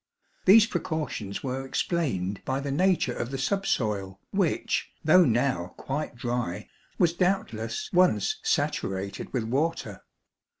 These precautions were explained by the nature of the subsoil which, though now quite dry, was doubtless once saturated with water.